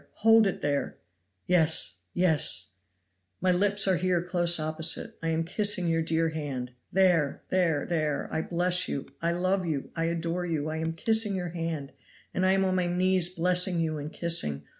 "Hold it there!" "Yes! yes!" "My lips are here close opposite it. I am kissing your dear hand. There! there! there! I bless you! I love you! I adore you! I am kissing your hand, and I am on my knees blessing you and kissing.